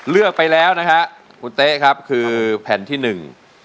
เลือกไปแล้วนะฮะคุณเต๊ะครับคือแผ่นที่หนึ่ง